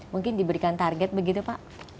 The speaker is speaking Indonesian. mungkin diberikan target begitu pak